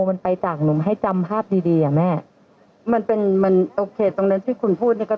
มันไปจากหนูให้จำภาพดีดีอ่ะแม่มันเป็นมันโอเคตรงนั้นที่คุณพูดเนี้ยก็